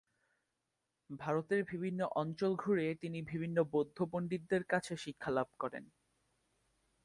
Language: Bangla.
ভারতের বিভিন্ন অঞ্চল ঘুরে তিনি বিভিন্ন বৌদ্ধ পন্ডিতদের কাছে শিক্ষালাভ করেন।